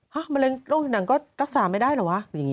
ห้ะมะเร็วหนังก็รักษาไม่ได้หรือวะ